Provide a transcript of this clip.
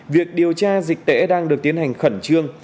việc điều tra dịch tễ đang được tiến hành khẩn trương